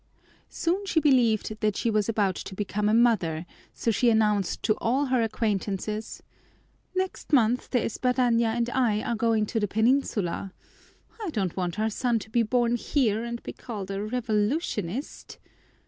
Soon she believed that she was about to become a mother, so she announced to all her acquaintances, "Next month De Espadaña and I are going to the Penyinsula. I don't want our son to be born here and be called a revolutionist."